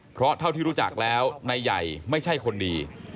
เพราะเท่าที่รู้จักแล้วนายใหญ่ไม่ใช่คนดี